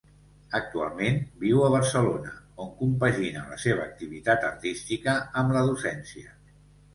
Actualment viu a Barcelona, on compagina la seva activitat artística amb la docència.